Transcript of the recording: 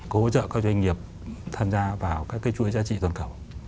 cố hỗ trợ các doanh nghiệp tham gia vào các cây chuối giá trị toàn cầu